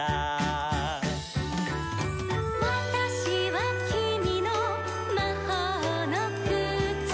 「『わたしはきみのまほうのくつ』」